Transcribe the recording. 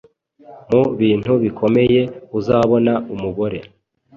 Mu bintu bikomeye uzabona umugore,